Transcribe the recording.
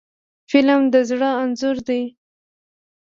فلم د زړه انځور دی